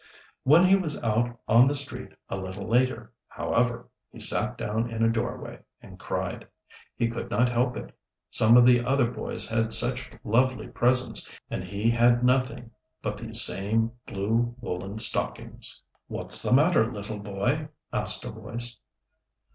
When he was out on the street a little later, however, he sat down in a doorway and cried. He could not help it. Some of the other boys had such lovely presents, and he had nothing but these same blue woollen stockings. "What's the matter, little boy?" asked a voice.